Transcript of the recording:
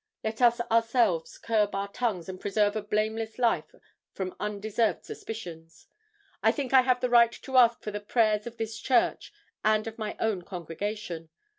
Let us ourselves curb our tongues and preserve a blameless life from undeserved suspicions. I think I have the right to ask for the prayers of this church and of my own congregation.